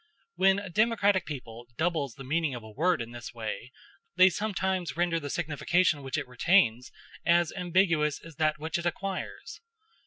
When a democratic people doubles the meaning of a word in this way, they sometimes render the signification which it retains as ambiguous as that which it acquires.